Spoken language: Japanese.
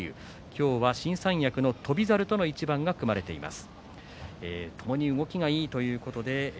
今日は新三役の翔猿との一番が組まれています。